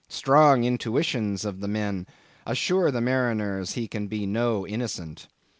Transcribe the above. Strong intuitions of the man assure the mariners he can be no innocent.